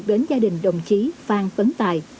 đến gia đình đồng chí phan tấn tài